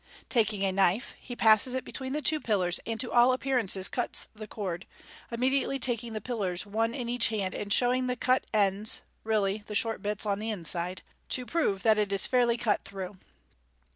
Taking a knife, he passes it between the two pillars, and to all appearance cuts the cord, imme diately taking the pillars one in each hand, and showing the cut ends (really the short bits on the inside) to prove that it is fairly cut through.